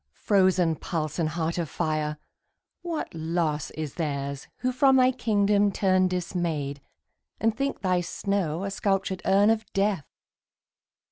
frozen pulse and heart of fire, What loss is theirs who from thy kingdom turn Dismayed, and think thy snow a sculptured urn Of death!